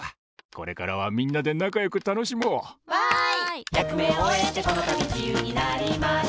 これからはみんなでなかよくたのしもう！わい！